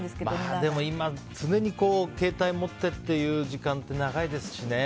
でも今、常に携帯持ってっていう時間って長いですしね。